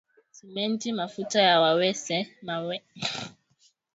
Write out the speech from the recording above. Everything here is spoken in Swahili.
Simenti mafuta ya mawese, mchele, sukari, petroli iliyosafishwa